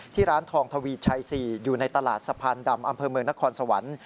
ร้านทองทวีชัย๔อยู่ในตลาดสะพานดำอำเภอเมืองนครสวรรค์